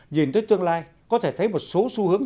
nhìn tới tương lai có thể thấy một số xu hướng